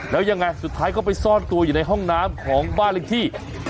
แล้วยังไงสุดท้ายก็ไปซ่อนตัวอยู่ในห้องน้ำของบ้านเลขที่